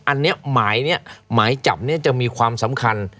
อันนี้หมายจับจะมีความสำคัญ